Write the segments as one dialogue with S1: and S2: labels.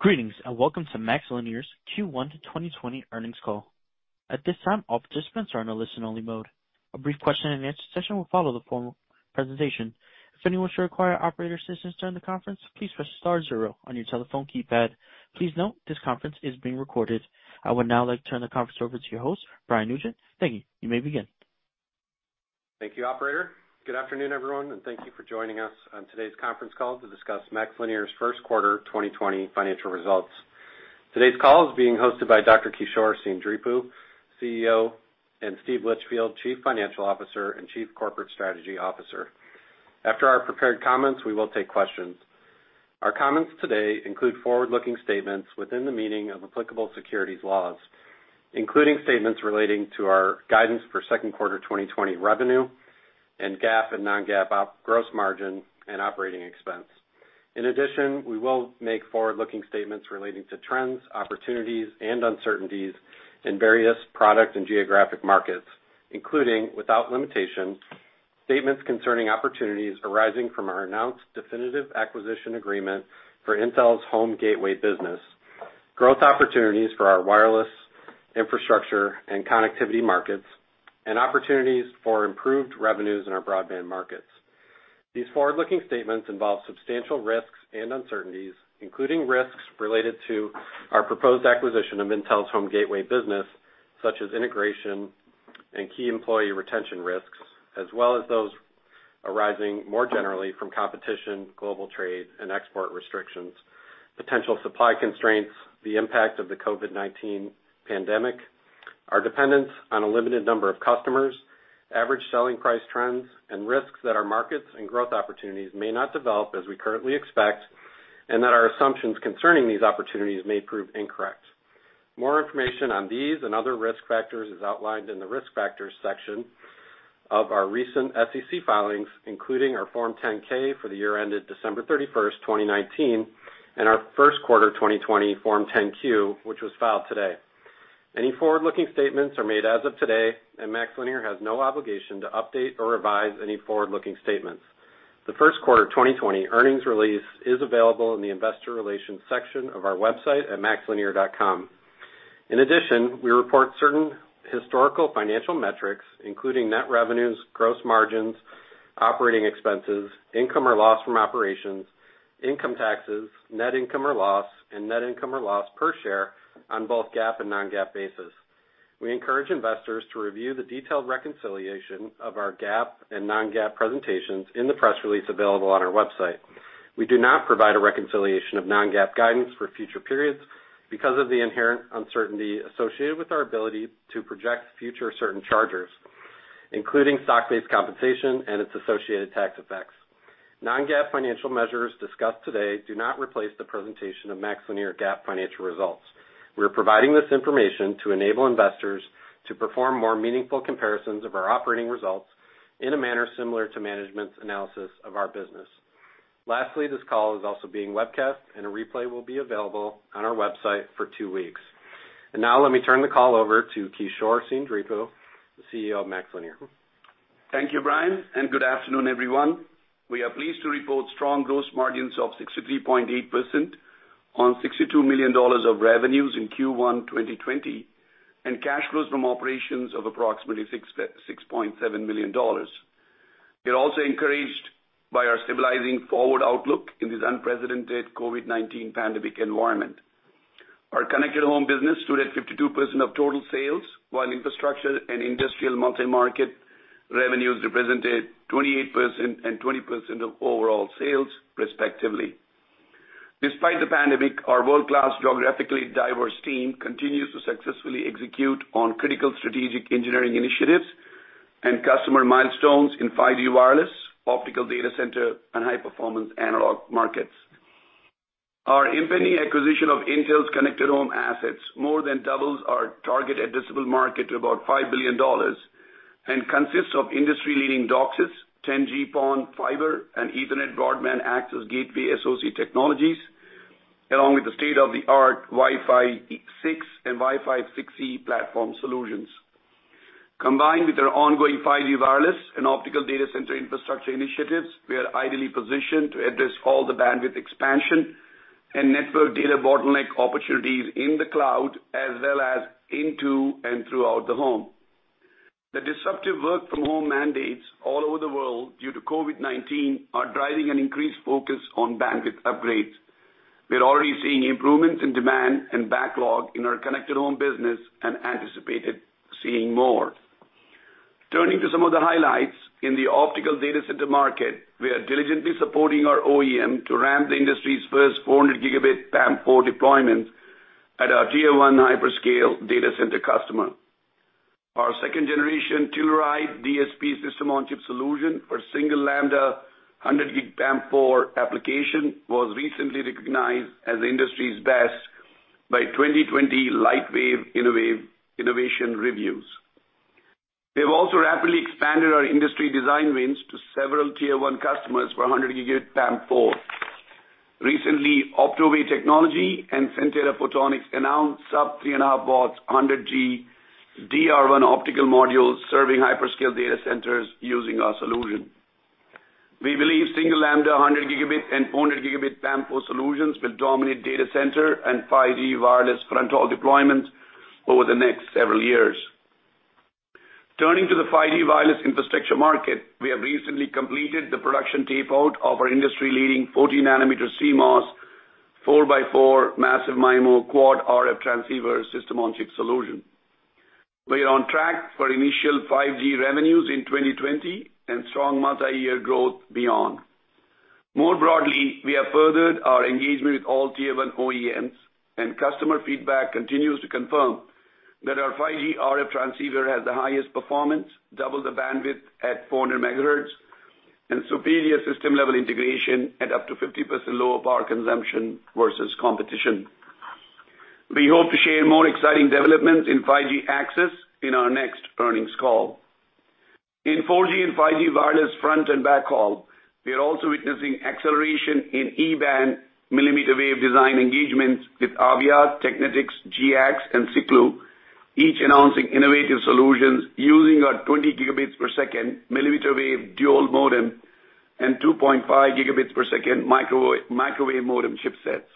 S1: Greetings, welcome to MaxLinear's Q1 2020 earnings call. At this time, all participants are in a listen-only mode. A brief question and answer session will follow the formal presentation. If anyone should require operator assistance during the conference, please press star zero on your telephone keypad. Please note this conference is being recorded. I would now like to turn the conference over to your host, Brian Nugent. Thank you. You may begin.
S2: Thank you, operator. Good afternoon, everyone, and thank you for joining us on today's conference call to discuss MaxLinear's first quarter 2020 financial results. Today's call is being hosted by Dr. Kishore Seendripu, CEO, and Steve Litchfield, Chief Financial Officer and Chief Corporate Strategy Officer. After our prepared comments, we will take questions. Our comments today include forward-looking statements within the meaning of applicable securities laws, including statements relating to our guidance for second quarter 2020 revenue and GAAP and non-GAAP op gross margin and operating expense. In addition, we will make forward-looking statements relating to trends, opportunities, and uncertainties in various product and geographic markets, including, without limitation, statements concerning opportunities arising from our announced definitive acquisition agreement for Intel's home gateway business, growth opportunities for our wireless infrastructure and connectivity markets, and opportunities for improved revenues in our broadband markets. These forward-looking statements involve substantial risks and uncertainties, including risks related to our proposed acquisition of Intel's home gateway business, such as integration and key employee retention risks, as well as those arising more generally from competition, global trade, and export restrictions, potential supply constraints, the impact of the COVID-19 pandemic, our dependence on a limited number of customers, average selling price trends, and risks that our markets and growth opportunities may not develop as we currently expect, and that our assumptions concerning these opportunities may prove incorrect. More information on these and other risk factors is outlined in the Risk Factors section of our recent SEC filings, including our Form 10-K for the year ended December 31st, 2019, and our first quarter 2020 Form 10-Q, which was filed today. Any forward-looking statements are made as of today, and MaxLinear has no obligation to update or revise any forward-looking statements. The first quarter 2020 earnings release is available in the Investor Relations section of our website at maxlinear.com. In addition, we report certain historical financial metrics, including net revenues, gross margins, operating expenses, income or loss from operations, income taxes, net income or loss, and net income or loss per share on both GAAP and non-GAAP basis. We encourage investors to review the detailed reconciliation of our GAAP and non-GAAP presentations in the press release available on our website. We do not provide a reconciliation of non-GAAP guidance for future periods because of the inherent uncertainty associated with our ability to project future certain charges, including stock-based compensation and its associated tax effects. Non-GAAP financial measures discussed today do not replace the presentation of MaxLinear GAAP financial results. We're providing this information to enable investors to perform more meaningful comparisons of our operating results in a manner similar to management's analysis of our business. Lastly, this call is also being webcast, and a replay will be available on our website for two weeks. Now let me turn the call over to Kishore Seendripu, the CEO of MaxLinear.
S3: Thank you, Brian. Good afternoon, everyone. We are pleased to report strong gross margins of 63.8% on $62 million of revenues in Q1 2020, and cash flows from operations of approximately $6.7 million. We are also encouraged by our stabilizing forward outlook in this unprecedented COVID-19 pandemic environment. Our connected home business stood at 52% of total sales, while infrastructure and industrial multi-market revenues represented 28% and 20% of overall sales respectively. Despite the pandemic, our world-class geographically diverse team continues to successfully execute on critical strategic engineering initiatives and customer milestones in 5G wireless, optical data center, and high-performance analog markets. Our impending acquisition of Intel's connected home assets more than doubles our target addressable market to about $5 billion and consists of industry-leading DOCSIS, 10G PON fiber, and Ethernet broadband access gateway SoC technologies, along with the state-of-the-art Wi-Fi 6 and Wi-Fi 6E platform solutions. Combined with our ongoing 5G wireless and optical data center infrastructure initiatives, we are ideally positioned to address all the bandwidth expansion and network data bottleneck opportunities in the cloud as well as into and throughout the home. The disruptive work from home mandates all over the world due to COVID-19 are driving an increased focus on bandwidth upgrades. We're already seeing improvements in demand and backlog in our connected home business and anticipated seeing more. Turning to some of the highlights, in the optical data center market, we are diligently supporting our OEM to ramp the industry's first 400 Gbps PAM4 deployments at our Tier 1 hyperscale data center customer. Our second generation Tulip DSP system-on-chip solution for single lambda 100 Gbps PAM4 application was recently recognized as the industry's best by 2020 Lightwave Innovation Reviews. We have also rapidly expanded our industry design wins to several Tier 1 customers for 100 Gbps PAM4. Recently, Optowave Technology and Source Photonics announced sub 3.5 watts 100 Gbps DR1 optical modules serving hyperscale data centers using our solution. We believe single lambda 100 Gbps and 400 Gbps PAM4 solutions will dominate data center and 5G wireless front-haul deployments over the next several years. Turning to the 5G wireless infrastructure market, we have recently completed the production tape-out of our industry-leading 40 nanometer CMOS, 4x4 massive MIMO quad RF transceiver system-on-chip solution. We are on track for initial 5G revenues in 2020 and strong multi-year growth beyond. More broadly, we have furthered our engagement with all Tier 1 OEMs, and customer feedback continues to confirm that our 5G RF transceiver has the highest performance, double the bandwidth at 400 MHz, and superior system-level integration at up to 50% lower power consumption versus competition. We hope to share more exciting developments in 5G access in our next earnings call. In 4G and 5G wireless front and backhaul, we are also witnessing acceleration in E-band millimeter wave design engagements with Aviat, Technetix, GiaX, and Siklu, each announcing innovative solutions using our 20 Gbps millimeter wave dual modem and 2.5 Gbps microwave modem chipsets.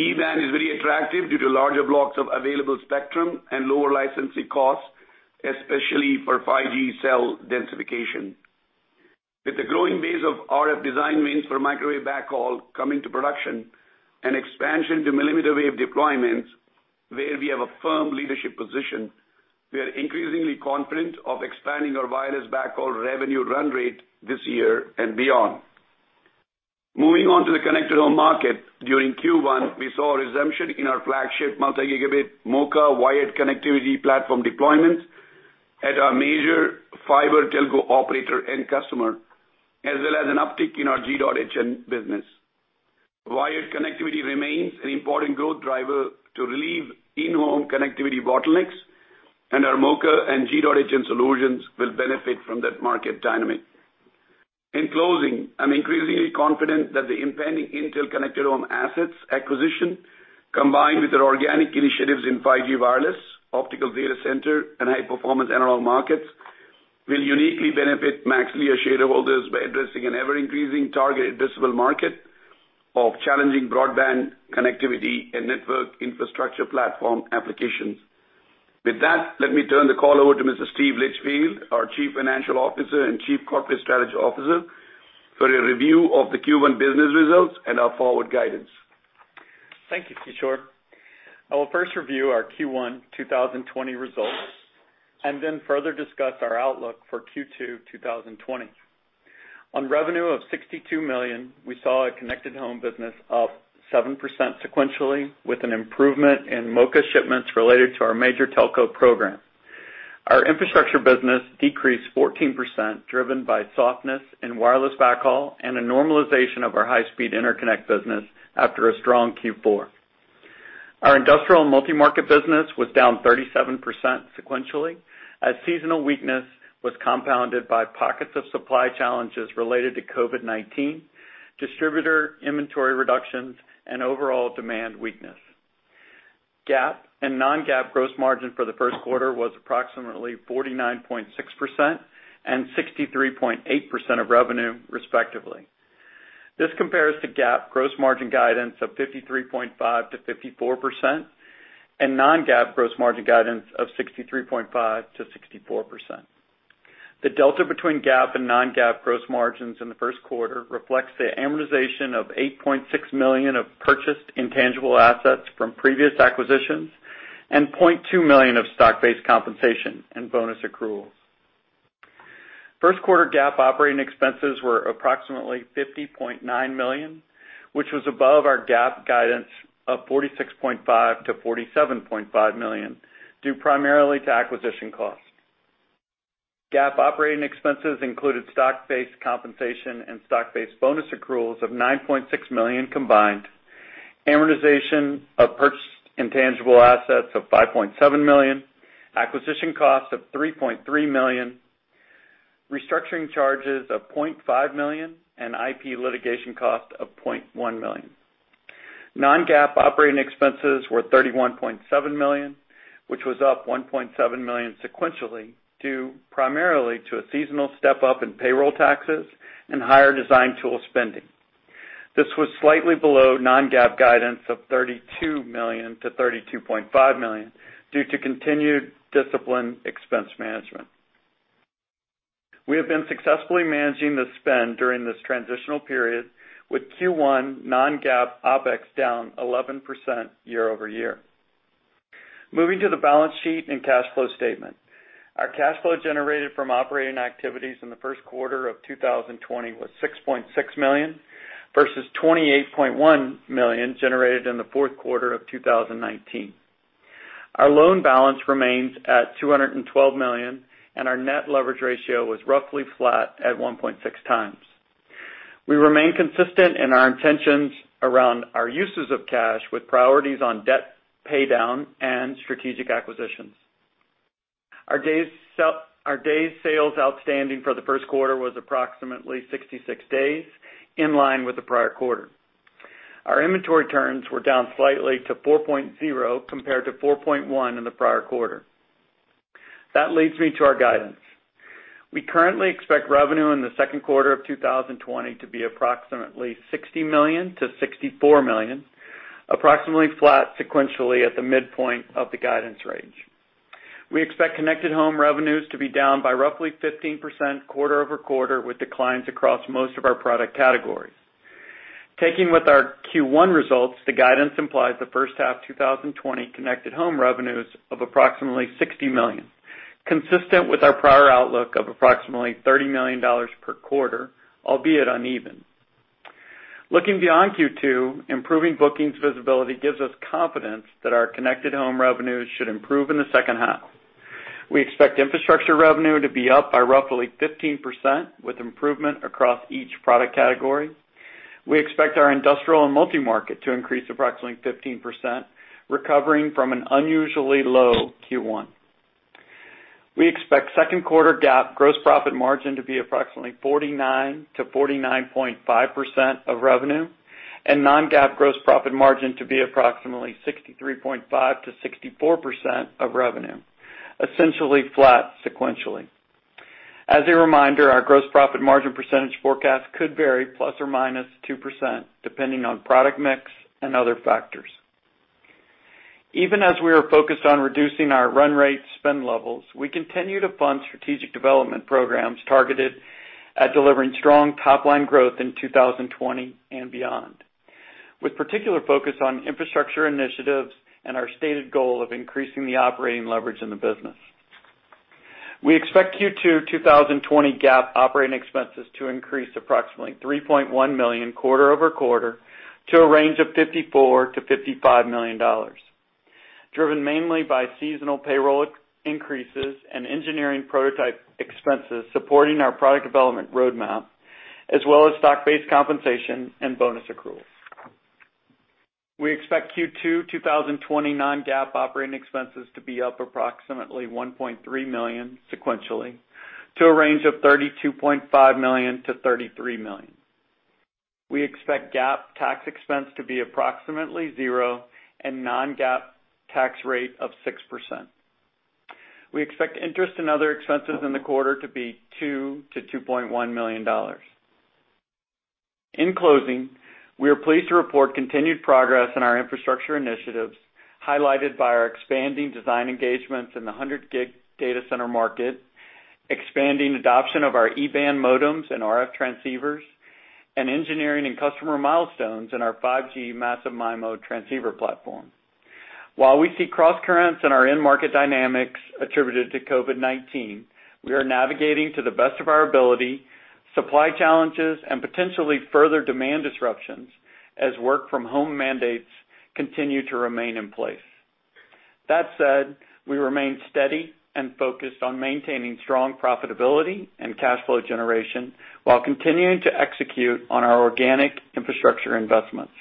S3: E-band is very attractive due to larger blocks of available spectrum and lower licensing costs, especially for 5G cell densification. With the growing base of RF design wins for microwave backhaul coming to production and expansion to millimeter wave deployments where we have a firm leadership position, we are increasingly confident of expanding our wireless backhaul revenue run rate this year and beyond. Moving on to the connected home market, during Q1, we saw a resumption in our flagship multi-gigabit MoCA wired connectivity platform deployments at our major fiber telco operator end customer, as well as an uptick in our G.hn business. Wired connectivity remains an important growth driver to relieve in-home connectivity bottlenecks, and our MoCA and G.hn solutions will benefit from that market dynamic. In closing, I'm increasingly confident that the impending Intel connected home assets acquisition, combined with our organic initiatives in 5G wireless, optical data center, and high-performance analog markets, will uniquely benefit MaxLinear shareholders by addressing an ever-increasing target addressable market of challenging broadband connectivity and network infrastructure platform applications. With that, let me turn the call over to Mr. Steve Litchfield, our Chief Financial Officer and Chief Corporate Strategy Officer, for a review of the Q1 business results and our forward guidance.
S4: Thank you, Kishore. I will first review our Q1 2020 results and then further discuss our outlook for Q2 2020. On revenue of $62 million, we saw our connected home business up 7% sequentially, with an improvement in MoCA shipments related to our major telco program. Our infrastructure business decreased 14%, driven by softness in wireless backhaul and a normalization of our high-speed interconnect business after a strong Q4. Our industrial multi-market business was down 37% sequentially, as seasonal weakness was compounded by pockets of supply challenges related to COVID-19, distributor inventory reductions, and overall demand weakness. GAAP and non-GAAP gross margin for the first quarter was approximately 49.6% and 63.8% of revenue, respectively. This compares to GAAP gross margin guidance of 53.5%-54% and non-GAAP gross margin guidance of 63.5%-64%. The delta between GAAP and non-GAAP gross margins in the first quarter reflects the amortization of $8.6 million of purchased intangible assets from previous acquisitions and $0.2 million of stock-based compensation and bonus accruals. First quarter GAAP operating expenses were approximately $50.9 million, which was above our GAAP guidance of $46.5 million-$47.5 million, due primarily to acquisition costs. GAAP operating expenses included stock-based compensation and stock-based bonus accruals of $9.6 million combined, amortization of purchased intangible assets of $5.7 million, acquisition costs of $3.3 million, restructuring charges of $0.5 million, and IP litigation costs of $0.1 million. Non-GAAP operating expenses were $31.7 million, which was up $1.7 million sequentially due primarily to a seasonal step-up in payroll taxes and higher design tool spending. This was slightly below non-GAAP guidance of $32 million-$32.5 million due to continued disciplined expense management. We have been successfully managing the spend during this transitional period, with Q1 non-GAAP OpEx down 11% year-over-year. Moving to the balance sheet and cash flow statement. Our cash flow generated from operating activities in the first quarter of 2020 was $6.6 million, versus $28.1 million generated in the fourth quarter of 2019. Our loan balance remains at $212 million, and our net leverage ratio was roughly flat at 1.6x. We remain consistent in our intentions around our uses of cash, with priorities on debt paydown and strategic acquisitions. Our days sales outstanding for the first quarter was approximately 66 days, in line with the prior quarter. Our inventory turns were down slightly to 4.0x, compared to 4.1x in the prior quarter. That leads me to our guidance. We currently expect revenue in the second quarter of 2020 to be approximately $60 million-$64 million, approximately flat sequentially at the midpoint of the guidance range. We expect Connected Home revenues to be down by roughly 15% quarter-over-quarter, with declines across most of our product categories. Taking with our Q1 results, the guidance implies the first half 2020 Connected Home revenues of approximately $60 million, consistent with our prior outlook of approximately $30 million per quarter, albeit uneven. Looking beyond Q2, improving bookings visibility gives us confidence that our Connected Home revenues should improve in the second half. We expect infrastructure revenue to be up by roughly 15%, with improvement across each product category. We expect our industrial and multi-market to increase approximately 15%, recovering from an unusually low Q1. We expect second quarter GAAP gross profit margin to be approximately 49%-49.5% of revenue, and non-GAAP gross profit margin to be approximately 63.5%-64% of revenue, essentially flat sequentially. As a reminder, our gross profit margin percentage forecast could vary ±2%, depending on product mix and other factors. Even as we are focused on reducing our run rate spend levels, we continue to fund strategic development programs targeted at delivering strong top-line growth in 2020 and beyond, with particular focus on infrastructure initiatives and our stated goal of increasing the operating leverage in the business. We expect Q2 2020 GAAP operating expenses to increase approximately $3.1 million quarter-over-quarter to a range of $54 million-$55 million, driven mainly by seasonal payroll increases and engineering prototype expenses supporting our product development roadmap, as well as stock-based compensation and bonus accruals. We expect Q2 2020 non-GAAP operating expenses to be up approximately $1.3 million sequentially to a range of $32.5 million-$33 million. We expect GAAP tax expense to be approximately zero and non-GAAP tax rate of 6%. We expect interest in other expenses in the quarter to be $2 million-$2.1 million. In closing, we are pleased to report continued progress in our infrastructure initiatives, highlighted by our expanding design engagements in the 100 Gbps data center market, expanding adoption of our E-band modems and RF transceivers, and engineering and customer milestones in our 5G massive MIMO transceiver platform. While we see crosscurrents in our end market dynamics attributed to COVID-19, we are navigating to the best of our ability, supply challenges, and potentially further demand disruptions as work from home mandates continue to remain in place. That said, we remain steady and focused on maintaining strong profitability and cash flow generation while continuing to execute on our organic infrastructure investments.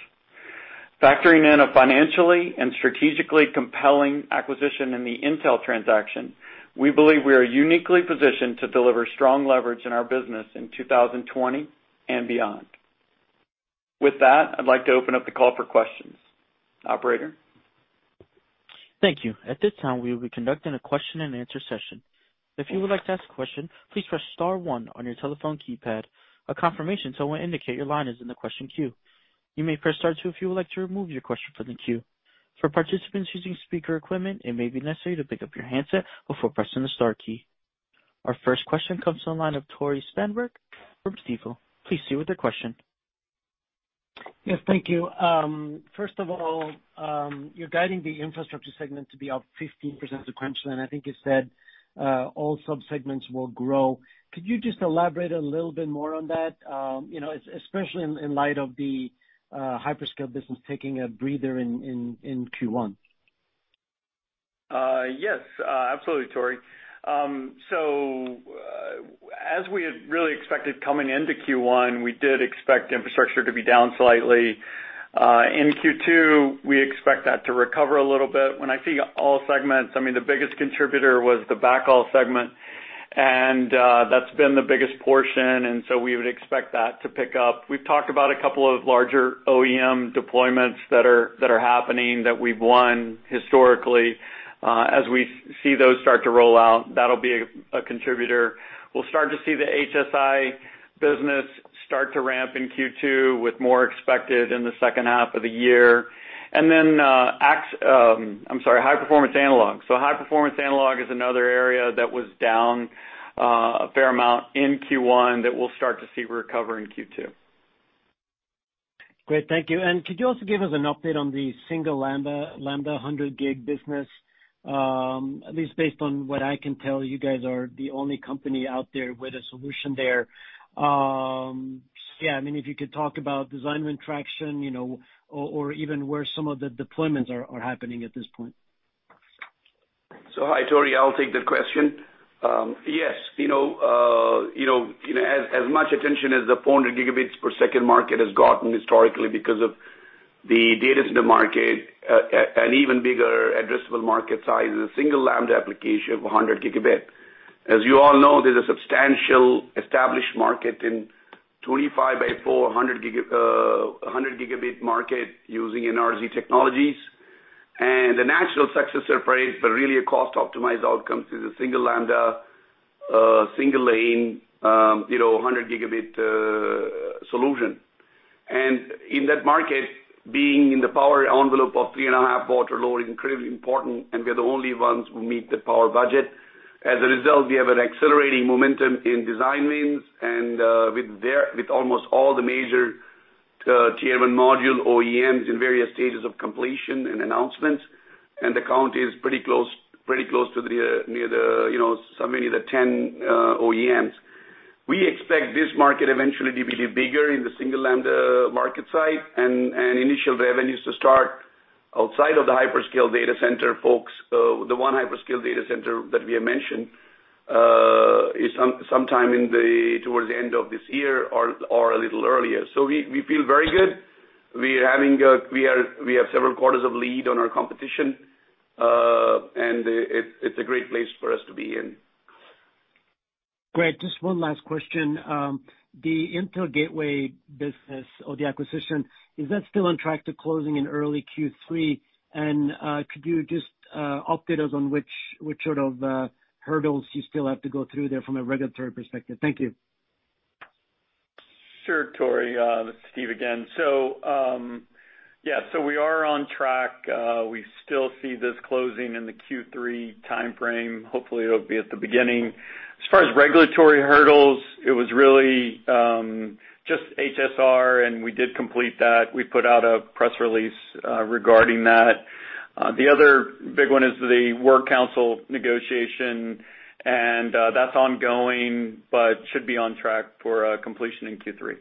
S4: Factoring in a financially and strategically compelling acquisition in the Intel transaction, we believe we are uniquely positioned to deliver strong leverage in our business in 2020 and beyond. With that, I'd like to open up the call for questions. Operator?
S1: Thank you. At this time, we will be conducting a question and answer session. If you would like to ask a question, please press star one on your telephone keypad. A confirmation tone will indicate your line is in the question queue. You may press star two if you would like to remove your question from the queue. For participants using speaker equipment, it may be necessary to pick up your handset before pressing the star key. Our first question comes to the line of Tore Svanberg from Stifel. Please proceed with your question.
S5: Yes, thank you. First of all, you're guiding the infrastructure segment to be up 15% sequentially, I think you said all sub-segments will grow. Could you just elaborate a little bit more on that? Especially in light of the hyperscale business taking a breather in Q1.
S4: Yes. Absolutely, Tore. As we had really expected coming into Q1, we did expect infrastructure to be down slightly. In Q2, we expect that to recover a little bit. When I see all segments, I mean, the biggest contributor was the backhaul segment, and that's been the biggest portion, we would expect that to pick up. We've talked about a couple of larger OEM deployments that are happening that we've won historically. As we see those start to roll out, that'll be a contributor. We'll start to see the HSI business start to ramp in Q2, with more expected in the second half of the year. High performance analog. High performance analog is another area that was down a fair amount in Q1 that we'll start to see recover in Q2.
S5: Great, thank you. Could you also give us an update on the single lambda 100 Gbps business? At least based on what I can tell, you guys are the only company out there with a solution there. Yeah, if you could talk about design win traction, or even where some of the deployments are happening at this point.
S3: Hi, Tore, I'll take that question. Yes. As much attention as the 400 Gbps per second market has gotten historically because of the data center market, an even bigger addressable market size is a single lambda application of 100 Gbps. As you all know, there's a substantial established market in 25 by 400 Gbps market using NRZ technologies. The natural successor for it, but really a cost-optimized outcome, is a single lambda, single lane, 100 Gbps solution. In that market, being in the power envelope of 3.5 watt or lower is incredibly important, and we're the only ones who meet the power budget. As a result, we have an accelerating momentum in design wins and with almost all the major Tier 1 module OEMs in various stages of completion and announcements. The count is pretty close to the 10 OEMs. We expect this market eventually to be bigger in the single lambda market side and initial revenues to start outside of the hyperscale data center folks. The one hyperscale data center that we have mentioned is sometime towards the end of this year or a little earlier. We feel very good. We have several quarters of lead on our competition, and it's a great place for us to be in.
S5: Great. Just one last question. The Intel Gateway business or the acquisition, is that still on track to closing in early Q3? Could you just update us on which sort of hurdles you still have to go through there from a regulatory perspective? Thank you.
S4: Sure, Tore. This is Steve again. Yeah. We are on track. We still see this closing in the Q3 timeframe. Hopefully, it'll be at the beginning. As far as regulatory hurdles, it was really just HSR, and we did complete that. We put out a press release regarding that. The other big one is the work council negotiation, and that's ongoing, but should be on track for completion in Q3.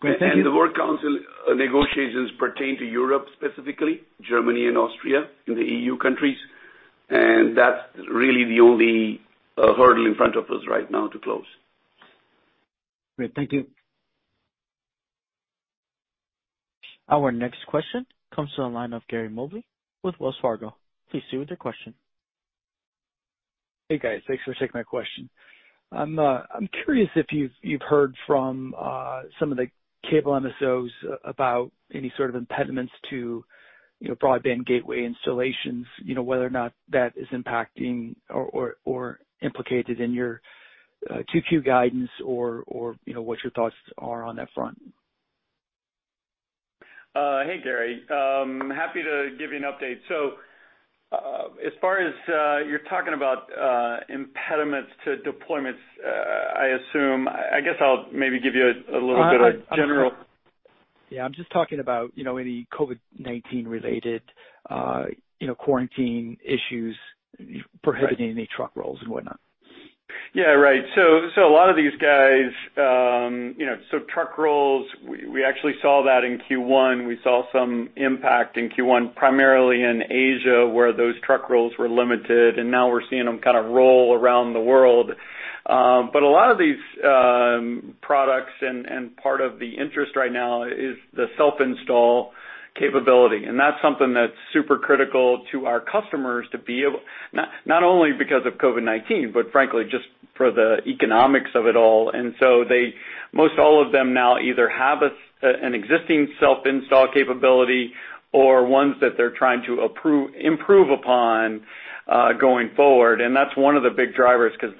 S5: Great. Thank you.
S3: The work council negotiations pertain to Europe, specifically Germany and Austria in the EU countries, and that's really the only hurdle in front of us right now to close.
S5: Great. Thank you.
S1: Our next question comes to the line of Gary Mobley with Wells Fargo. Please proceed with your question.
S6: Hey, guys. Thanks for taking my question. I'm curious if you've heard from some of the cable MSOs about any sort of impediments to broadband gateway installations, whether or not that is impacting or implicated in your 2Q guidance or what your thoughts are on that front.
S4: Hey, Gary. Happy to give you an update. As far as you're talking about impediments to deployments, I assume, I guess I'll maybe give you a little bit of general-
S6: Yeah, I'm just talking about any COVID-19 related quarantine issues prohibiting any truck rolls and whatnot.
S4: Yeah, right. A lot of these guys, truck rolls, we actually saw that in Q1. We saw some impact in Q1, primarily in Asia, where those truck rolls were limited, and now we're seeing them kind of roll around the world. A lot of these products and part of the interest right now is the self-install capability. That's something that's super critical to our customers to be able, not only because of COVID-19, but frankly, just for the economics of it all. Most all of them now either have an existing self-install capability or ones that they're trying to improve upon going forward. That's one of the big drivers because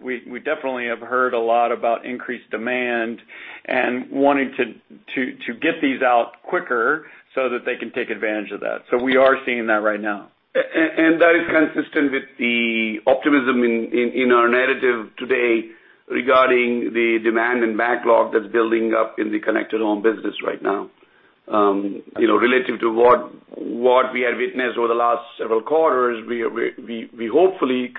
S4: we definitely have heard a lot about increased demand and wanting to get these out quicker so that they can take advantage of that. We are seeing that right now.
S3: That is consistent with the optimism in our narrative today regarding the demand and backlog that's building up in the connected home business right now. Relative to what we have witnessed over the last several quarters, we hopefully,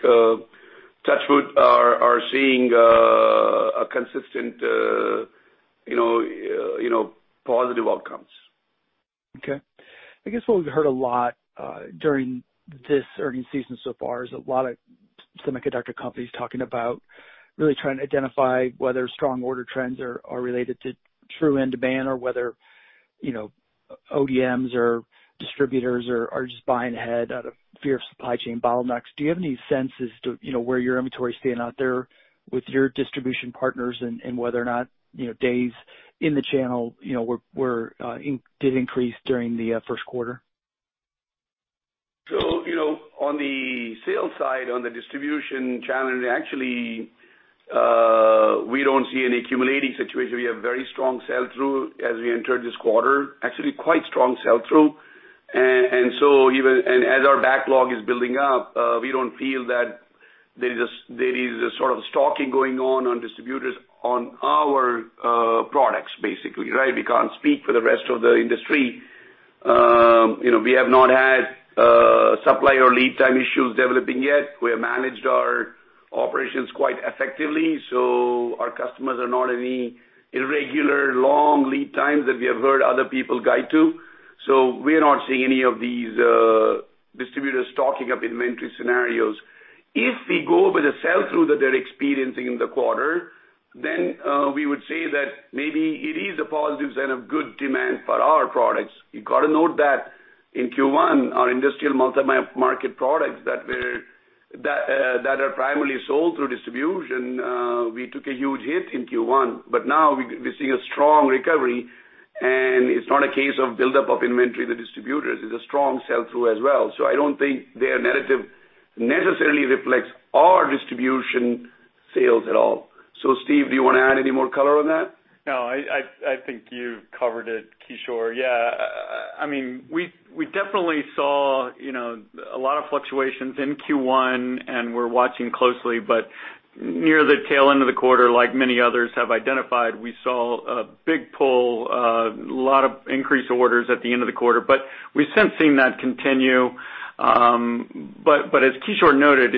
S3: touch wood, are seeing a consistent positive outcomes.
S6: Okay. I guess what we've heard a lot during this earning season so far is a lot of semiconductor companies talking about really trying to identify whether strong order trends are related to true end demand or whether ODMs or distributors are just buying ahead out of fear of supply chain bottlenecks. Do you have any sense as to where your inventory is standing out there with your distribution partners and whether or not days in the channel did increase during the first quarter?
S3: On the sales side, on the distribution channel, actually, we don't see an accumulating situation. We have very strong sell-through as we entered this quarter, actually quite strong sell-through. As our backlog is building up, we don't feel that there is a sort of stocking going on distributors on our products, basically, right? We can't speak for the rest of the industry. We have not had supply or lead time issues developing yet. We have managed our operations quite effectively, so our customers are not any irregular long lead times that we have heard other people guide to. We are not seeing any of these distributors stocking up inventory scenarios. If we go by the sell-through that they're experiencing in the quarter, we would say that maybe it is a positive sign of good demand for our products. You got to note that in Q1, our industrial multi-market products that are primarily sold through distribution, we took a huge hit in Q1, but now we're seeing a strong recovery, and it's not a case of build-up of inventory with the distributors, it's a strong sell-through as well. I don't think their narrative necessarily reflects our distribution sales at all. Steve, do you want to add any more color on that?
S4: No, I think you've covered it, Kishore. Yeah. We definitely saw a lot of fluctuations in Q1, and we're watching closely, but near the tail end of the quarter, like many others have identified, we saw a big pull, a lot of increased orders at the end of the quarter. We've since seen that continue. As Kishore noted,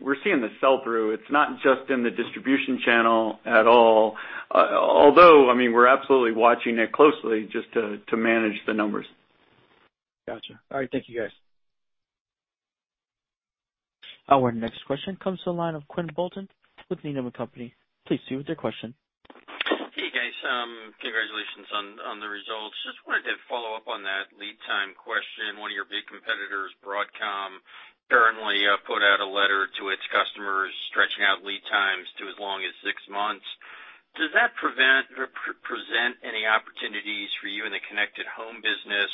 S4: we're seeing the sell-through. It's not just in the distribution channel at all, although, we're absolutely watching it closely just to manage the numbers.
S6: Got you. All right, thank you, guys.
S1: Our next question comes to the line of Quinn Bolton with Needham & Company. Please proceed with your question.
S7: Hey, guys. Congratulations on the results. Just wanted to follow up on that lead time question. One of your big competitors, Broadcom, currently put out a letter to its customers stretching out lead times to as long as six months. Does that present any opportunities for you in the connected home business?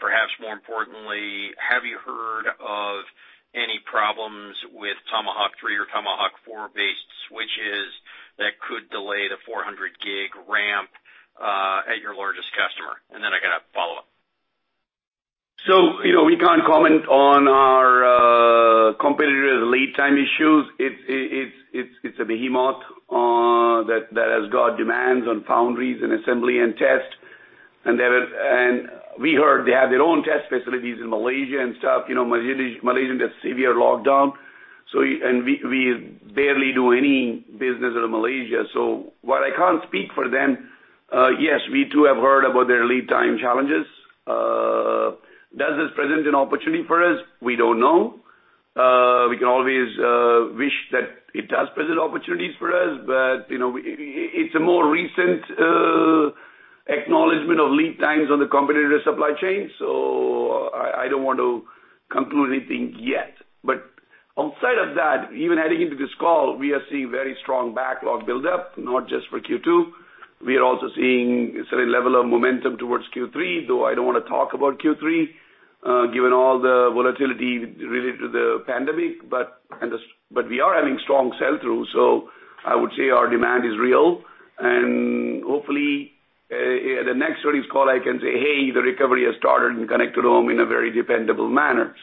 S7: Perhaps more importantly, have you heard of any problems with Tomahawk 3 or Tomahawk 4 based switches that could delay the 400 Gbps ramp at your largest customer? I got a follow-up.
S3: We can't comment on our competitor's lead time issues. It's a behemoth that has got demands on foundries and assembly and test. We heard they have their own test facilities in Malaysia and stuff. Malaysia under severe lockdown, and we barely do any business out of Malaysia. While I can't speak for them, yes, we too have heard about their lead time challenges. Does this present an opportunity for us? We don't know. We can always wish that it does present opportunities for us, but it's a more recent acknowledgement of lead times on the competitor's supply chain. I don't want to conclude anything yet. Outside of that, even heading into this call, we are seeing very strong backlog build-up, not just for Q2. We are also seeing a certain level of momentum towards Q3, though I don't want to talk about Q3, given all the volatility related to the pandemic, but we are having strong sell-through, so I would say our demand is real, and hopefully, the next earnings call, I can say, "Hey, the recovery has started in the connected home in a very dependable manner."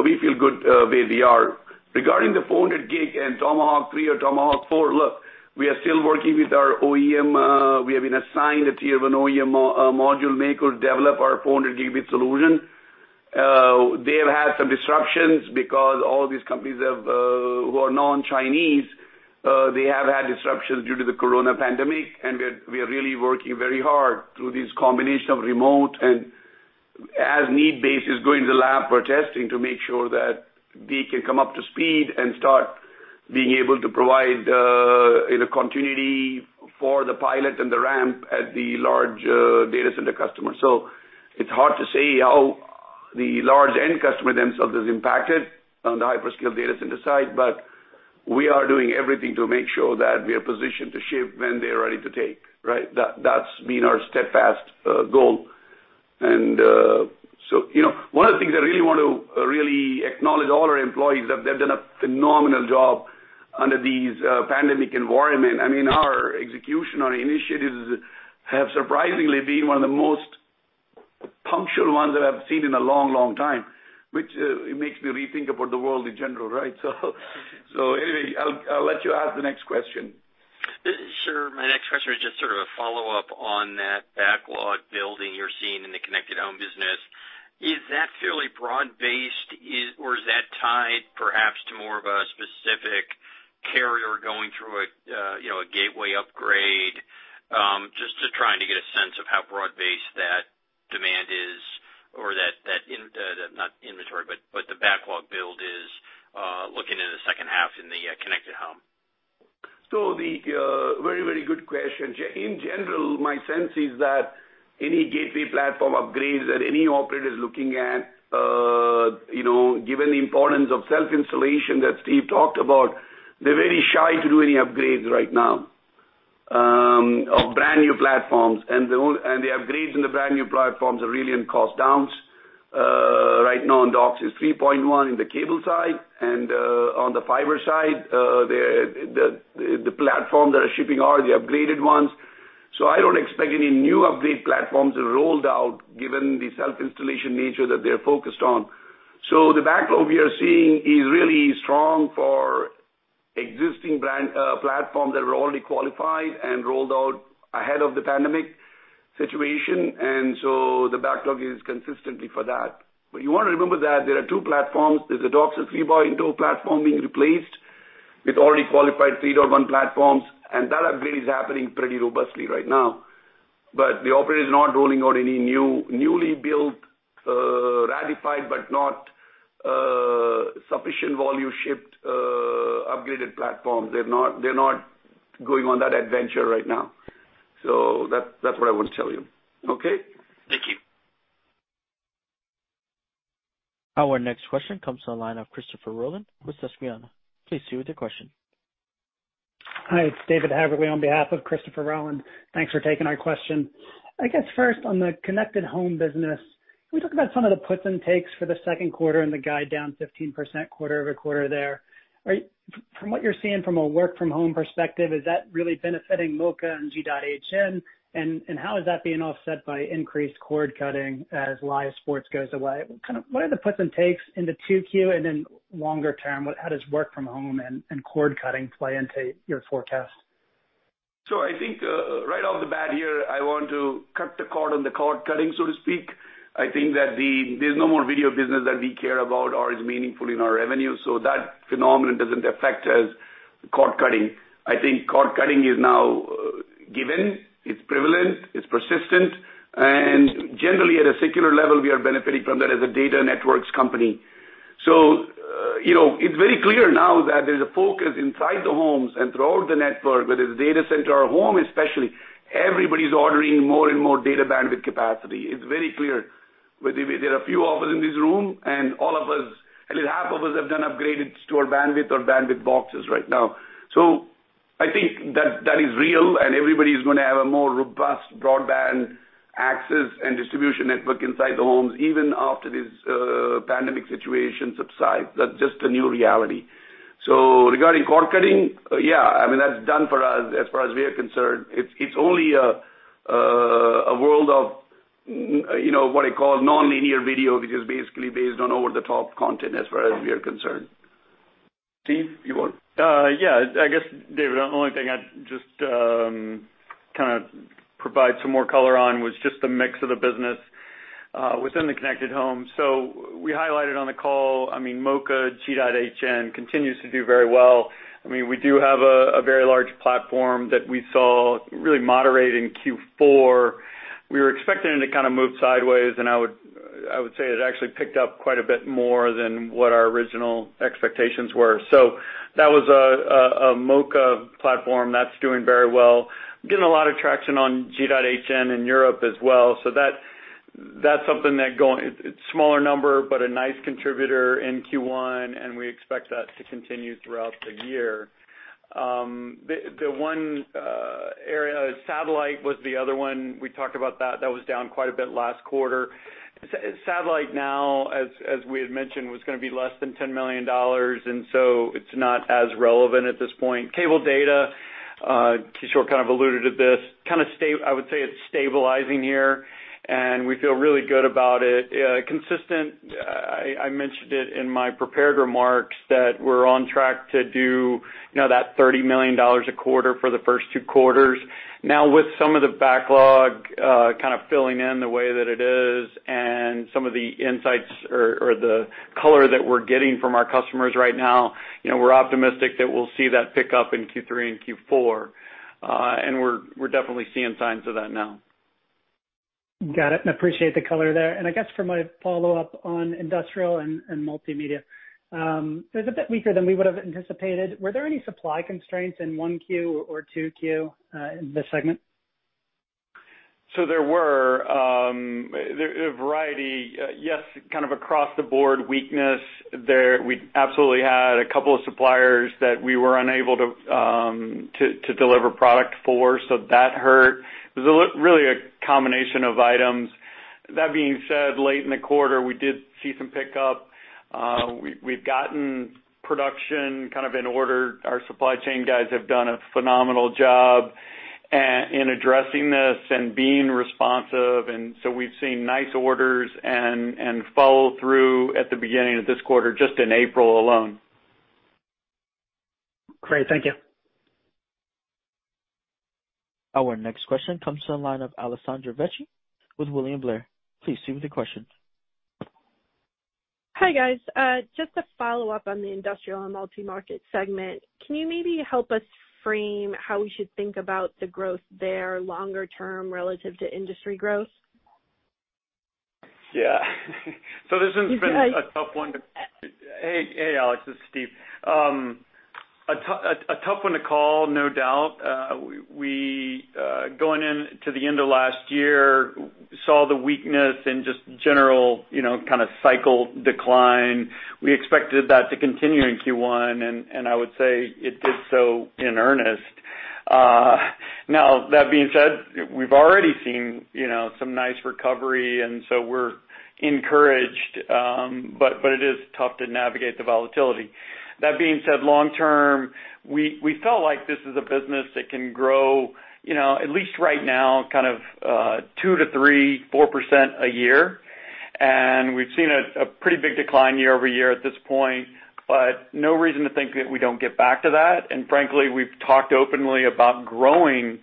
S3: We feel good where we are. Regarding the 400 Gbps and Tomahawk 3 or Tomahawk 4, look, we are still working with our OEM. We have been assigned a tier of an OEM module maker to develop our 400 Gbps solution. They have had some disruptions because all these companies who are non-Chinese, they have had disruptions due to the corona pandemic. We are really working very hard through this combination of remote and as-need basis, going to the lab for testing to make sure that they can come up to speed and start being able to provide continuity for the pilot and the ramp at the large data center customer. It's hard to say how the large end customer themselves is impacted on the hyperscale data center side. We are doing everything to make sure that we are positioned to ship when they're ready to take. Right? That's been our steadfast goal. One of the things I really want to acknowledge all our employees, they've done a phenomenal job under this pandemic environment. Our execution on initiatives have surprisingly been one of the most punctual ones that I've seen in a long time, which makes me rethink about the world in general, right? Anyway, I'll let you ask the next question.
S7: Sure. My next question is just sort of a follow-up on that backlog building you're seeing in the connected home business. Is that fairly broad-based, or is that tied perhaps to more of a specific carrier going through a gateway upgrade? Just trying to get a sense of how broad-based that demand is or that, not inventory, but the backlog build is looking in the second half in the connected home.
S3: Very good question. In general, my sense is that any gateway platform upgrades that any operator is looking at, given the importance of self-installation that Steve talked about, they're very shy to do any upgrades right now of brand new platforms. The upgrades in the brand new platforms are really in cost downs. Right now in DOCSIS 3.1 in the cable side and on the fiber side, the platform that are shipping are the upgraded ones. I don't expect any new upgrade platforms rolled out given the self-installation nature that they're focused on. The backlog we are seeing is really strong for existing platforms that were already qualified and rolled out ahead of the pandemic situation, and so the backlog is consistently for that. You want to remember that there are two platforms. There's a DOCSIS 3.0 platform being replaced with already qualified DOCSIS 3.1 platforms, and that upgrade is happening pretty robustly right now. The operator is not rolling out any newly built, ratified, but not sufficient volume shipped, upgraded platform. They're not going on that adventure right now. That's what I want to tell you. Okay?
S7: Thank you.
S1: Our next question comes to the line of Christopher Rolland with Susquehanna. Please proceed with your question.
S8: Hi, it's David Haberle on behalf of Christopher Rolland. Thanks for taking our question. I guess, first, on the connected home business, can we talk about some of the puts and takes for the second quarter and the guide down 15% quarter-over-quarter there? From what you're seeing from a work from home perspective, is that really benefiting MoCA and G.hn? How is that being offset by increased cord cutting as live sports goes away? What are the puts and takes into 2Q, and then longer term, how does work from home and cord cutting play into your forecast?
S3: I think, right off the bat here, I want to cut the cord on the cord cutting, so to speak. I think that there's no more video business that we care about or is meaningful in our revenue, so that phenomenon doesn't affect us, cord cutting. I think cord cutting is now given, it's prevalent, it's persistent, and generally at a secular level, we are benefiting from that as a data networks company. It's very clear now that there's a focus inside the homes and throughout the network, whether it's a data center or home especially. Everybody's ordering more and more data bandwidth capacity. It's very clear. There are a few of us in this room, and all of us, at least half of us have done upgrades to our bandwidth or bandwidth boxes right now. I think that is real and everybody's going to have a more robust broadband access and distribution network inside the homes even after this pandemic situation subsides. That's just the new reality. Regarding cord cutting, yeah, that's done for us, as far as we are concerned. It's only a world of what I call nonlinear video, which is basically based on over-the-top content as far as we are concerned. Steve, you want?
S4: Yeah. I guess, David, the only thing I'd just provide some more color on was just the mix of the business within the Connected Home. We highlighted on the call, MoCA, G.hn continues to do very well. We do have a very large platform that we saw really moderate in Q4. We were expecting it to move sideways. I would say it actually picked up quite a bit more than what our original expectations were. That was a MoCA platform that's doing very well. Getting a lot of traction on G.hn in Europe as well. That's something that it's smaller number, but a nice contributor in Q1. We expect that to continue throughout the year. The one area, Satellite was the other one. We talked about that. That was down quite a bit last quarter. Satellite now, as we had mentioned, was going to be less than $10 million. It's not as relevant at this point. Cable data, Kishore kind of alluded to this. I would say it's stabilizing here. We feel really good about it. Consistent, I mentioned it in my prepared remarks that we're on track to do that $30 million a quarter for the first two quarters. Now with some of the backlog filling in the way that it is and some of the insights or the color that we're getting from our customers right now, we're optimistic that we'll see that pick up in Q3 and Q4. We're definitely seeing signs of that now.
S8: Got it. Appreciate the color there. I guess for my follow-up on industrial and multimedia. It was a bit weaker than we would've anticipated. Were there any supply constraints in 1Q or 2Q, in this segment?
S4: There are a variety, yes, kind of across the board weakness there. We absolutely had a couple of suppliers that we were unable to deliver product for, so that hurt. It was really a combination of items. That being said, late in the quarter, we did see some pickup. We've gotten production in order. Our supply chain guys have done a phenomenal job in addressing this and being responsive, we've seen nice orders and follow through at the beginning of this quarter, just in April alone.
S8: Great. Thank you.
S1: Our next question comes to the line of Alessandra Vecchi with William Blair. Please proceed with your questions.
S9: Hi, guys. Just to follow up on the industrial and multi-market segment. Can you maybe help us frame how we should think about the growth there longer term relative to industry growth?
S4: Yeah. This one's been a tough one to.
S9: You can go ahead.
S4: Hey, Alex, this is Steve. A tough one to call, no doubt. We, going into the end of last year, saw the weakness in just general cycle decline. We expected that to continue in Q1 and I would say it did so in earnest. Now that being said, we've already seen some nice recovery and so we're encouraged, but it is tough to navigate the volatility. That being said, long term, we felt like this is a business that can grow, at least right now, 2%-3%, 4% a year. We've seen a pretty big decline year-over-year at this point, but no reason to think that we don't get back to that. Frankly, we've talked openly about growing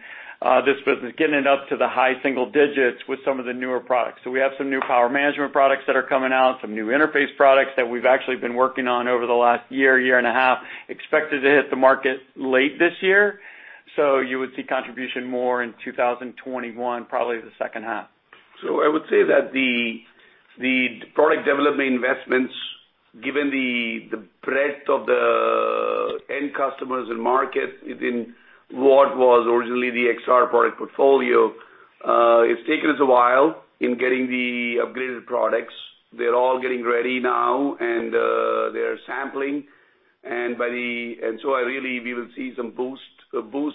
S4: this business, getting it up to the high single digits with some of the newer products. We have some new power management products that are coming out, some new interface products that we've actually been working on over the last year and a half, expected to hit the market late this year. You would see contribution more in 2021, probably the second half.
S3: I would say that the product development investments, given the breadth of the end customers and market within what was originally the Exar product portfolio, it's taken us a while in getting the upgraded products. They're all getting ready now, and they are sampling. I believe we will see some boost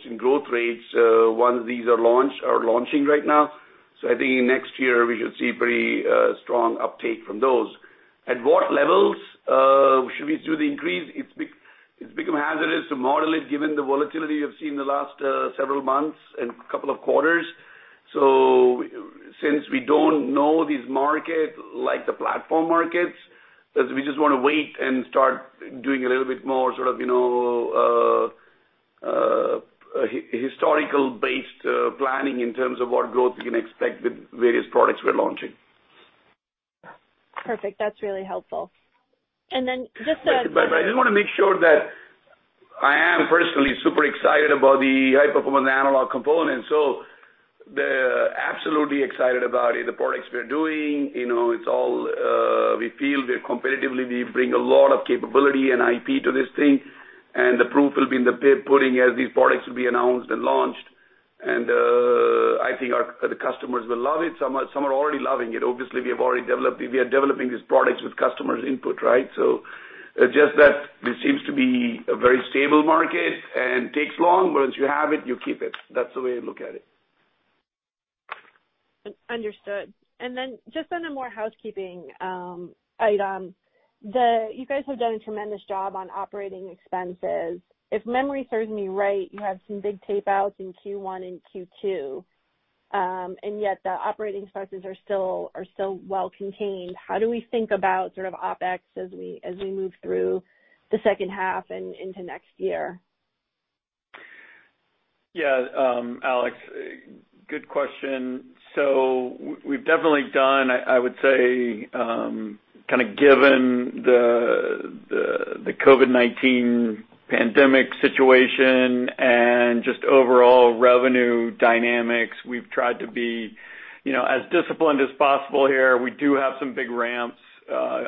S3: in growth rates once these are launching right now. I think next year we should see pretty strong uptake from those. At what levels should we do the increase? It's become hazardous to model it given the volatility we have seen in the last several months and couple of quarters. Since we don't know these market like the platform markets, we just want to wait and start doing a little bit more sort of historical-based planning in terms of what growth we can expect with various products we're launching.
S9: Perfect. That's really helpful.
S3: I just want to make sure that I am personally super excited about the high-performance analog components. Absolutely excited about it, the products we are doing, we feel we are competitively, we bring a lot of capability and IP to this thing, and the proof will be in the pudding as these products will be announced and launched. I think our customers will love it. Some are already loving it. Obviously, we are developing these products with customers' input, right? It's just that this seems to be a very stable market and takes long, but once you have it, you keep it. That's the way to look at it.
S9: Understood. Just on a more housekeeping item, you guys have done a tremendous job on operating expenses. If memory serves me right, you have some big tape outs in Q1 and Q2, yet the operating expenses are still well contained. How do we think about sort of OpEx as we move through the second half and into next year?
S4: Alex, good question. We've definitely done, I would say, kind of given the COVID-19 pandemic situation and just overall revenue dynamics, we've tried to be as disciplined as possible here. We do have some big ramps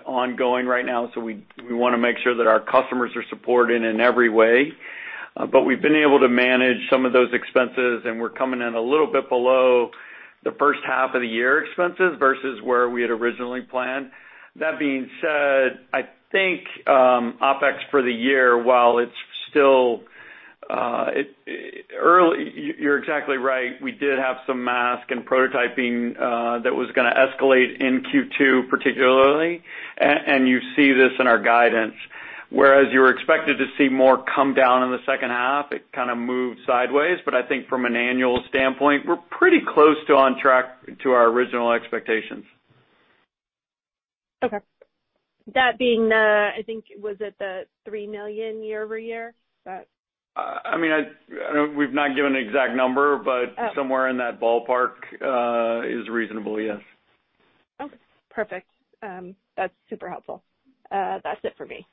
S4: ongoing right now, we want to make sure that our customers are supported in every way. We've been able to manage some of those expenses, and we're coming in a little bit below the first half of the year expenses versus where we had originally planned. That being said, I think, OpEx for the year, while it's still early, you're exactly right. We did have some mask and prototyping that was going to escalate in Q2 particularly, and you see this in our guidance, whereas you were expected to see more come down in the second half. It kind of moved sideways, but I think from an annual standpoint, we're pretty close to on track to our original expectations.
S9: Okay. That being the, I think, was it the $3 million year-over-year?
S4: I mean, we've not given an exact number, but somewhere in that ballpark is reasonable, yes.
S9: Okay, perfect. That's super helpful. That's it for me.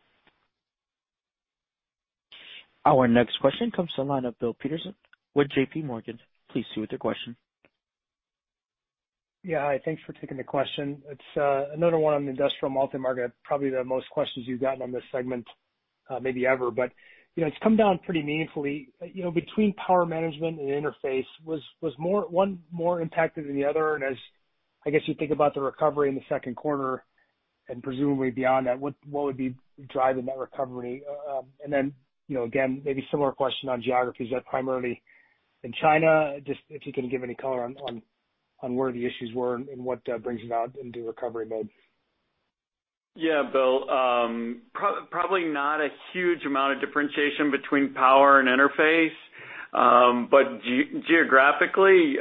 S1: Our next question comes to line of Bill Peterson with JPMorgan. Please proceed with your question.
S10: Yeah, hi. Thanks for taking the question. It's another one on the industrial multi-market, probably the most questions you've gotten on this segment, maybe ever. It's come down pretty meaningfully. Between power management and interface, was one more impacted than the other? As, I guess, you think about the recovery in the second quarter and presumably beyond that, what would be driving that recovery? Then, again, maybe similar question on geographies. Is that primarily in China? Just if you can give any color on where the issues were and what brings it out into recovery mode.
S4: Bill, probably not a huge amount of differentiation between power and interface. Geographically,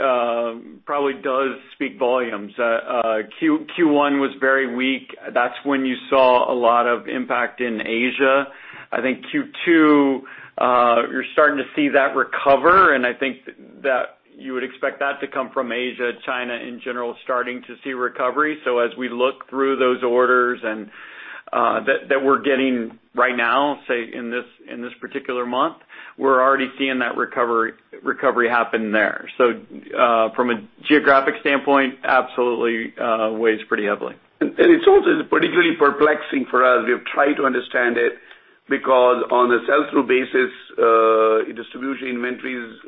S4: probably does speak volumes. Q1 was very weak. That's when you saw a lot of impact in Asia. I think Q2, you're starting to see that recover, and I think that you would expect that to come from Asia, China in general, starting to see recovery. As we look through those orders and that we're getting right now, say, in this particular month, we're already seeing that recovery happen there. From a geographic standpoint, absolutely weighs pretty heavily.
S3: It's also particularly perplexing for us. We have tried to understand it because on a sell-through basis, distribution inventories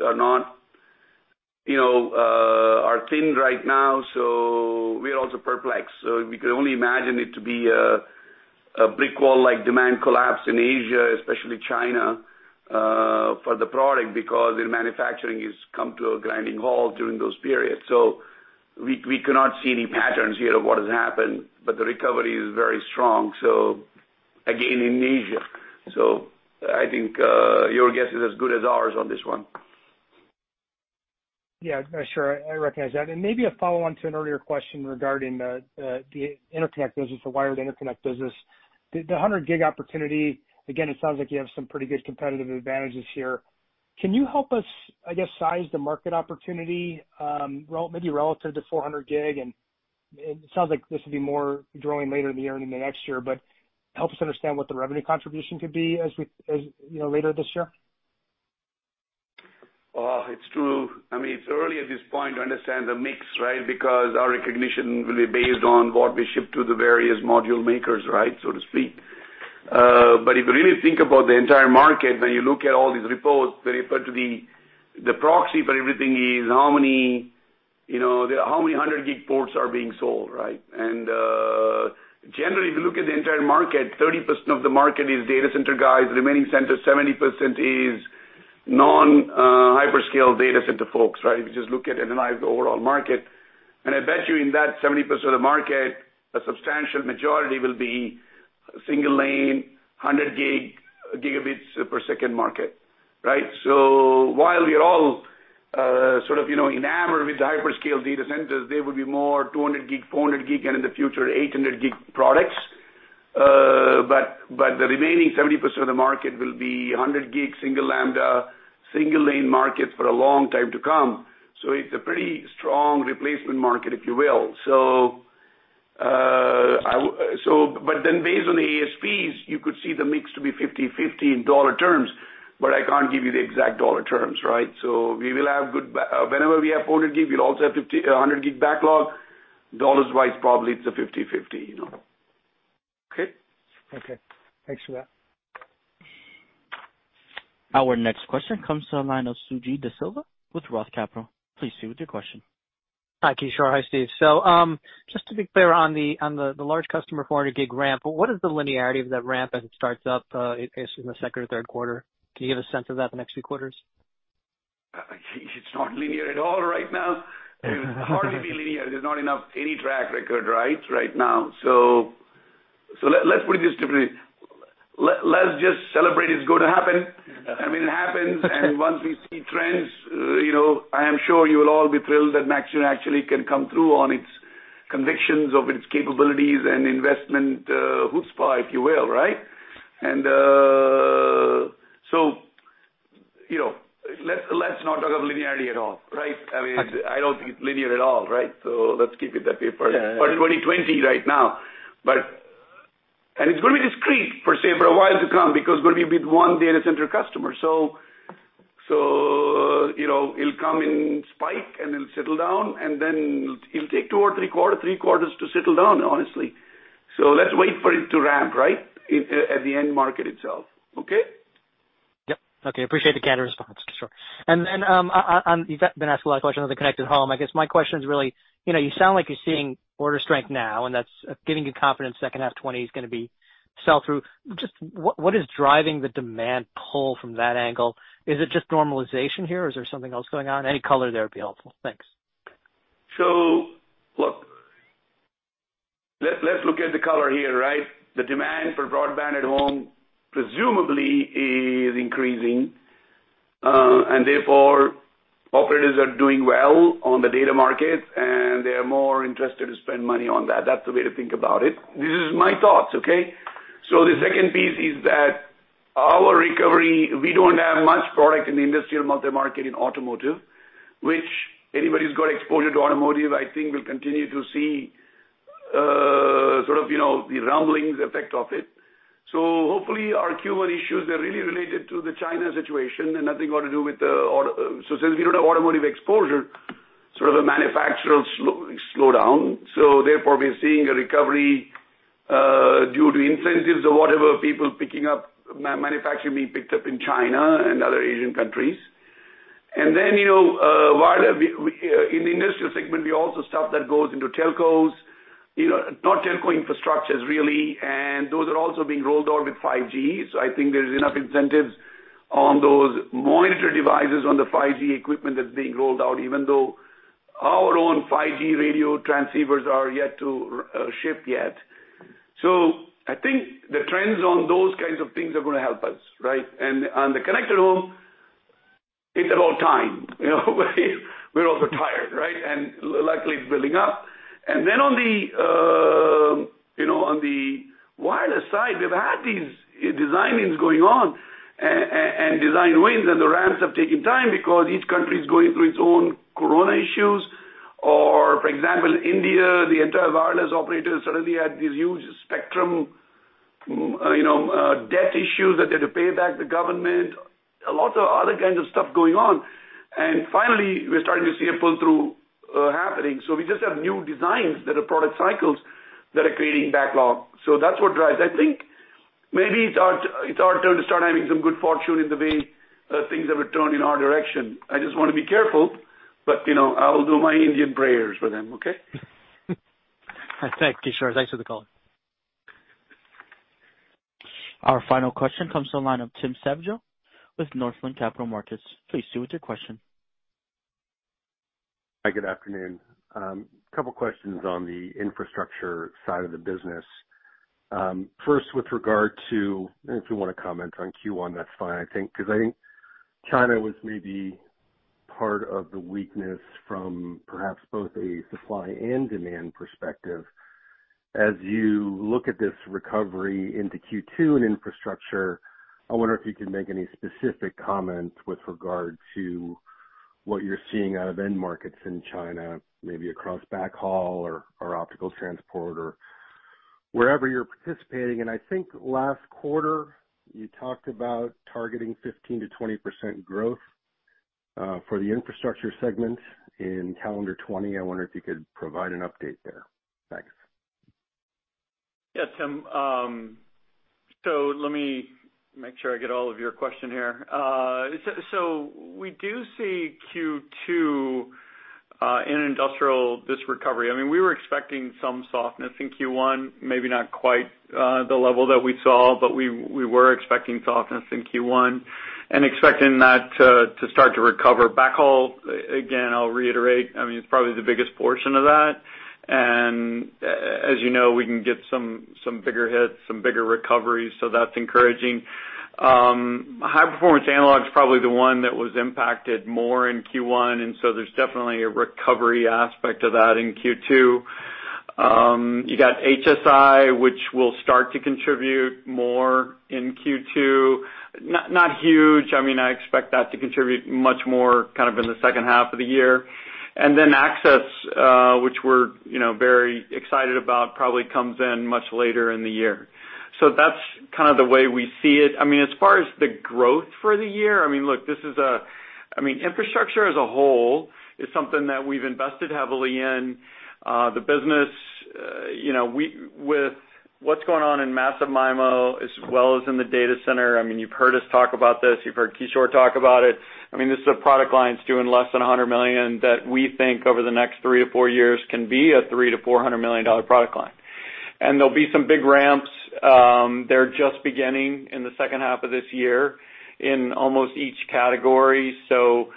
S3: are thin right now, so we are also perplexed. We can only imagine it to be a brick wall like demand collapse in Asia, especially China, for the product because their manufacturing has come to a grinding halt during those periods. We cannot see any patterns here of what has happened, but the recovery is very strong again, in Asia. I think your guess is as good as ours on this one.
S10: Yeah, sure. I recognize that. Maybe a follow-on to an earlier question regarding the wired interconnect business. The 100 Gbps opportunity, again, it sounds like you have some pretty good competitive advantages here. Can you help us, I guess, size the market opportunity maybe relative to 400 Gbps? It sounds like this will be more growing later in the year, into next year, but help us understand what the revenue contribution could be later this year.
S3: It's true. It's early at this point to understand the mix, because our recognition will be based on what we ship to the various module makers, so to speak. If you really think about the entire market, when you look at all these reports, they refer to the proxy for everything is how many hundred gig ports are being sold. Generally, if you look at the entire market, 30% of the market is data center guys. The remaining 70% is non-hyperscale data center folks. If you just look at, analyze the overall market, I bet you in that 70% of market, a substantial majority will be single lane, 100 Gbps per second market. While we are all enamored with the hyperscale data centers, there would be more 200 Gbps, 400 Gbps, and in the future, 800 Gbps products. The remaining 70% of the market will be 100 Gbps, single lambda, single lane markets for a long time to come. It's a pretty strong replacement market, if you will. Based on the ASPs, you could see the mix to be 50/50 in dollar terms, but I can't give you the exact dollar terms. Whenever we have 400 Gbps, we'll also have 100 Gbps backlog, dollars-wise, probably it's a 50/50. Okay?
S10: Okay. Thanks for that.
S1: Our next question comes to the line of Suji Desilva with ROTH Capital. Please, Suji, with your question.
S11: Hi, Kishore. Hi, Steve. Just to be clear on the large customer 400 Gbps ramp, what is the linearity of that ramp as it starts up, I guess in the second or third quarter? Can you give a sense of that the next few quarters?
S3: It's not linear at all right now. It will hardly be linear. There's not enough any track record right now. Let's put it this differently. Let's just celebrate it's going to happen. I mean, it happens. Once we see trends, I am sure you'll all be thrilled that MaxLinear actually can come through on its convictions of its capabilities and investment, chutzpah, if you will. Let's not talk of linearity at all. I mean, I don't think it's linear at all. Let's keep it that way.
S11: Yeah
S3: 2020 right now. It's going to be discrete, per se, for a while to come, because we're going to be with one data center customer. It'll come in spike, and it'll settle down, and then it'll take two or three quarters to settle down, honestly. Let's wait for it to ramp at the end market itself. Okay?
S11: Yep. Okay. Appreciate the candid response, Kishore. You've been asked a lot of questions on the connected home. I guess my question's really, you sound like you're seeing order strength now, and that's giving you confidence second half 2020 is going to be sell-through. What is driving the demand pull from that angle? Is it just normalization here, or is there something else going on? Any color there would be helpful. Thanks.
S3: Look, let's look at the color here. The demand for broadband at home presumably is increasing. Therefore, operators are doing well on the data market, and they are more interested to spend money on that. That's the way to think about it. This is my thoughts, okay? The second piece is that our recovery, we don't have much product in the industrial multi-market in automotive, which anybody who's got exposure to automotive, I think will continue to see the rumblings effect of it. Hopefully, our Q1 issues are really related to the China situation and nothing got to do with the auto. Since we don't have automotive exposure, sort of a manufacturer slowdown, therefore, we are seeing a recovery due to incentives or whatever, people picking up, manufacturing being picked up in China and other Asian countries. Then, in the industrial segment, we also stuff that goes into telcos, not telco infrastructures really, and those are also being rolled out with 5G. I think there's enough incentives on those monitor devices on the 5G equipment that's being rolled out, even though our own 5G radio transceivers are yet to ship yet. I think the trends on those kinds of things are going to help us. On the connected home, it's about time. We're all so tired, and luckily it's building up. Then on the wireless side, we've had these design-ins going on and design wins, and the ramps have taken time because each country's going through its own Corona issues, or for example, India, the entire wireless operator suddenly had these huge spectrum debt issues that they had to pay back the government. A lot of other kinds of stuff going on. Finally, we're starting to see a pull through happening. We just have new designs that are product cycles that are creating backlog. That's what drives. I think maybe it's our turn to start having some good fortune in the way things have turned in our direction. I just want to be careful, but I will do my Indian prayers for them, okay?
S11: Thank you, Kishore. Thanks for the call.
S1: Our final question comes to the line of Tim Savageaux with Northland Capital Markets. Please, Tim, with your question.
S12: Hi, good afternoon. Couple questions on the infrastructure side of the business. First with regard to, and if you want to comment on Q1, that's fine, I think, because I think China was maybe part of the weakness from perhaps both a supply and demand perspective. As you look at this recovery into Q2 in infrastructure, I wonder if you can make any specific comments with regard to what you're seeing out of end markets in China, maybe across backhaul or optical transport or wherever you're participating. I think last quarter, you talked about targeting 15%-20% growth for the infrastructure segment in calendar 2020. I wonder if you could provide an update there. Thanks.
S4: Yeah, Tim. Let me make sure I get all of your question here. We do see Q2, in industrial, this recovery. We were expecting some softness in Q1, maybe not quite the level that we saw, but we were expecting softness in Q1 and expecting that to start to recover. Backhaul, again, I'll reiterate, it's probably the biggest portion of that. As you know, we can get some bigger hits, some bigger recoveries, that's encouraging. High-performance analog is probably the one that was impacted more in Q1, and so there's definitely a recovery aspect of that in Q2. You got HSI, which will start to contribute more in Q2. Not huge. I expect that to contribute much more kind of in the second half of the year. Access, which we're very excited about, probably comes in much later in the year. That's kind of the way we see it. As far as the growth for the year, infrastructure as a whole is something that we've invested heavily in. With what's going on in massive MIMO as well as in the data center, you've heard us talk about this, you've heard Kishore talk about it. This is a product line that's doing less than $100 million that we think over the next 3 to 4 years can be a $300 million-$400 million product line. There'll be some big ramps, they're just beginning in the second half of this year in almost each category, so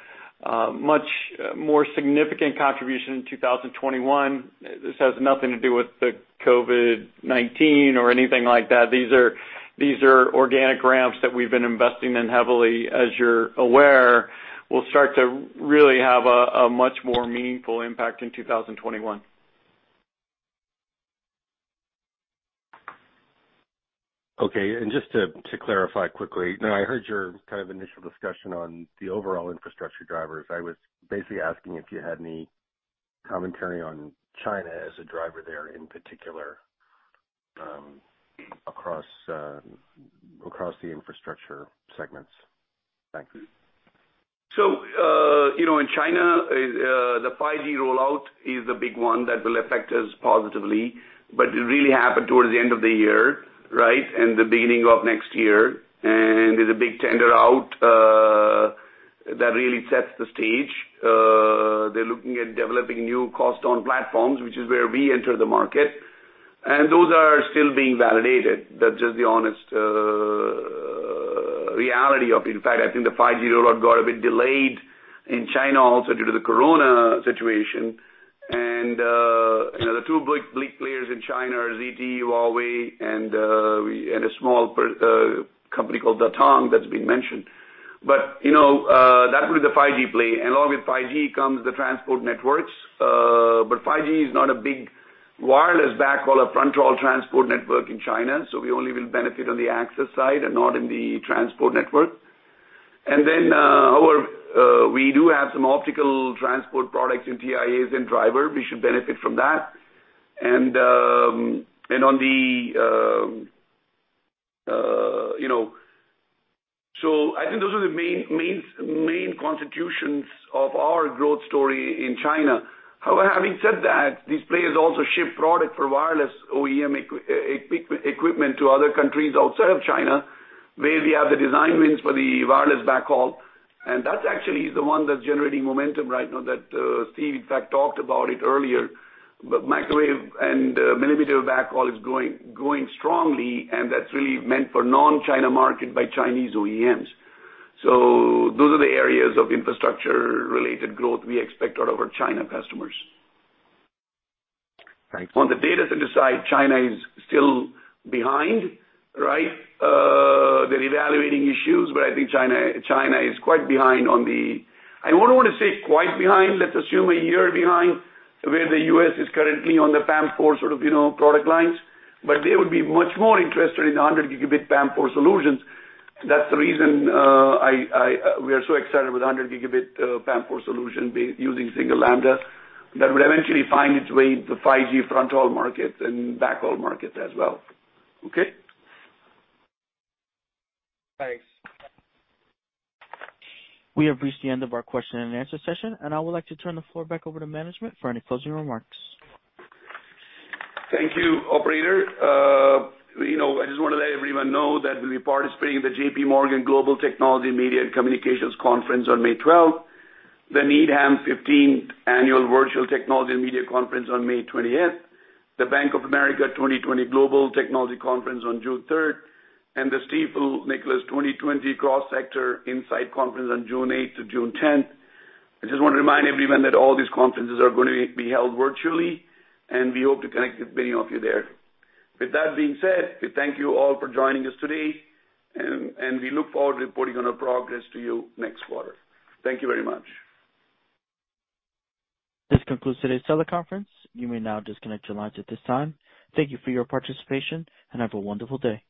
S4: much more significant contribution in 2021. This has nothing to do with the COVID-19 or anything like that. These are organic ramps that we've been investing in heavily, as you're aware, will start to really have a much more meaningful impact in 2021.
S12: Okay, just to clarify quickly, I heard your kind of initial discussion on the overall infrastructure drivers. I was basically asking if you had any commentary on China as a driver there in particular, across the infrastructure segments. Thanks.
S3: In China, the 5G rollout is a big one that will affect us positively, but it really happened towards the end of the year, right, and the beginning of next year. There's a big tender out that really sets the stage. They're looking at developing new custom platforms, which is where we enter the market. Those are still being validated. That's just the honest reality of it. In fact, I think the 5G rollout got a bit delayed in China also due to the COVID-19 situation. The two big players in China are ZTE, Huawei, and a small company called Datang that's been mentioned. That will be the 5G play. Along with 5G comes the transport networks. 5G is not a big wireless backhaul or front haul transport network in China, so we only will benefit on the access side and not in the transport network. We do have some optical transport products in TIAs and driver. We should benefit from that. I think those are the main constitutions of our growth story in China. Having said that, these players also ship product for wireless OEM equipment to other countries outside of China, where we have the design wins for the wireless backhaul. That actually is the one that's generating momentum right now that Steve, in fact, talked about it earlier. Microwave and millimeter backhaul is growing strongly, and that's really meant for non-China market by Chinese OEMs. Those are the areas of infrastructure-related growth we expect out of our China customers.
S12: Thanks.
S3: On the data center side, China is still behind, right? They're evaluating issues, but I think China is quite behind, I don't want to say quite behind, let's assume a year behind where the U.S. is currently on the PAM4 sort of product lines. They would be much more interested in the 100 Gbps PAM4 solutions. That's the reason we are so excited with 100 Gbps PAM4 solution using single lambda. That would eventually find its way into 5G front haul markets and backhaul markets as well. Okay.
S12: Thanks.
S1: We have reached the end of our question and answer session, and I would like to turn the floor back over to management for any closing remarks.
S3: Thank you, operator. I just want to let everyone know that we'll be participating in the JPMorgan Global Technology, Media and Communications Conference on May 12th, the Needham & Company 15th Annual Virtual Technology & Media Conference on May 20th, the Bank of America 2020 Global Technology Conference on June 3rd, and the Stifel Nicolaus 2020 Cross Sector Insight Conference on June 8th-June 10th. I just want to remind everyone that all these conferences are going to be held virtually. We hope to connect with many of you there. With that being said, we thank you all for joining us today. We look forward to reporting on our progress to you next quarter. Thank you very much.
S1: This concludes today's teleconference. You may now disconnect your lines at this time. Thank you for your participation, and have a wonderful day.